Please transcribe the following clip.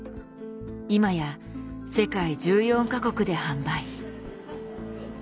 今や世界１４か国で販売。